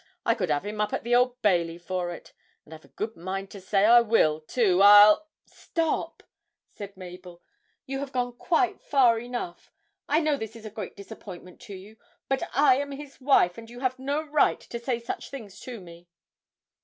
I could 'ave him up at the Old Bailey for it and I've a good mind to say I will, too. I'll ' 'Stop,' said Mabel, 'you have gone quite far enough. I know this is a great disappointment to you, but I am his wife you have no right to say such things to me.'